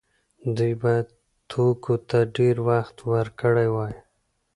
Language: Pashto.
دوی باید توکو ته ډیر وخت ورکړی وای.